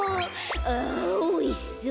「あおいしそう。